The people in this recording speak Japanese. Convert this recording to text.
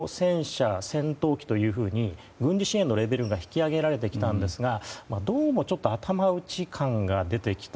ですから、年明けから戦車、戦闘機というふうに軍事支援のレベルが引き上げられてきたんですがどうも頭打ち感が出てきた。